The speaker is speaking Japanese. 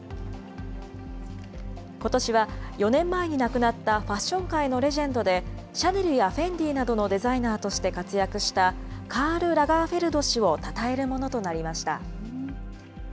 ことしは４年前に亡くなったファッション界のレジェンドで、シャネルやフェンディなどのデザイナーとして活躍した、カール・ラガーフェルド氏をたたえるものとなりました。